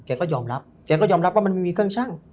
แกก็ยอมรับแกก็ยอมรับว่ามันไม่มีเครื่องชั่ง